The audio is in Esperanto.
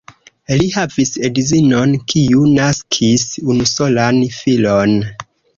Li havis edzinon, kiu naskis unusolan filon.